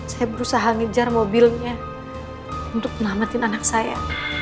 saya berusaha ngejar mobilnya untuk melamatin anak saya